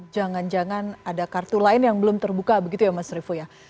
jangan jangan ada kartu lain yang belum terbuka begitu ya mas revo ya